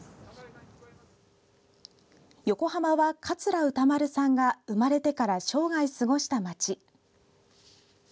横浜は、桂歌丸さんが生まれてから生涯過ごした街。